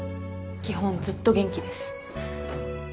基本ずっと元気です。